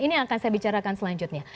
ini yang akan saya bicarakan selanjutnya